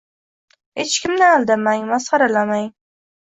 Hech kimni aldamang, masxaralamang;